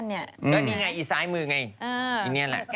ก็มีไงอีซ้ายมือไง